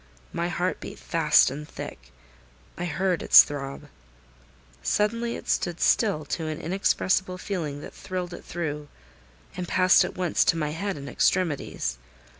My heart beat fast and thick: I heard its throb. Suddenly it stood still to an inexpressible feeling that thrilled it through, and passed at once to my head and extremities.